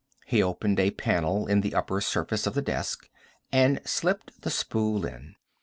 He opened a panel in the upper surface of the desk, and slipped the spool in.